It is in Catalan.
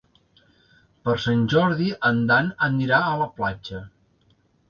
Per Sant Jordi en Dan anirà a la platja.